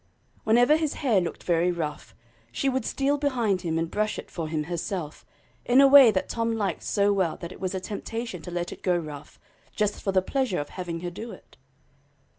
Whenever his hair looked very rough, she would steal behind him and brush it for him herself, in a way that Tom liked so well that it was a temptation to let it go rough, just for the pleasure of having her do it.